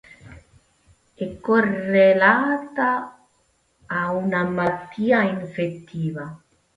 È correlata a una malattia infettiva.